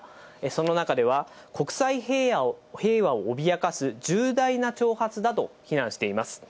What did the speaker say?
その中では、国際平和を脅かす重大な挑発だと非難しています。